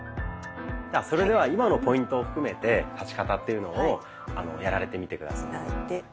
それでは今のポイントを含めて立ち方というのをやられてみて下さい。